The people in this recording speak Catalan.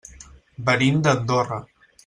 Venim d'Andorra.